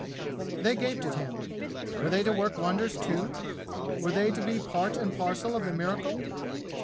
They gaped at him. Were they to work wonders too? Were they to be part and parcel of the miracle?